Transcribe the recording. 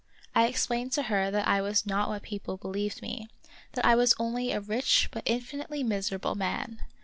I explained to her that I was not what people believed me ; that I was only a rich but infinitely miserable man.